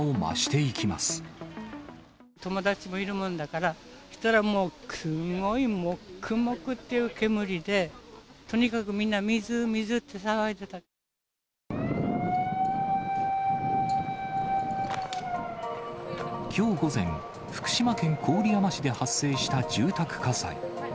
友達もいるもんだから、したらもう、すごいもくもくっていう煙で、とにかくみんな、水、水って騒いきょう午前、福島県郡山市で発生した住宅火災。